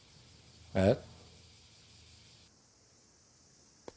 えっ？